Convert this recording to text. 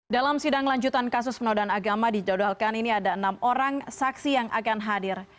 dalam sidang lanjutan kasus penodaan agama dijadwalkan ini ada enam orang saksi yang akan hadir